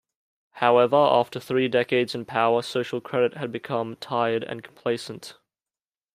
However, after three decades in power, Social Credit had become tired and complacent.